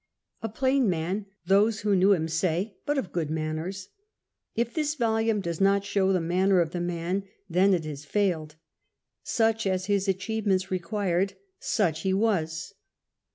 A plain man, those who knew him say, but of good manners. If this volume does not show the manner of the man, then it has failed. Such as his achievements required, such he was.